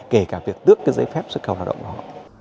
kể cả việc tước cái giấy phép xuất khẩu lao động của họ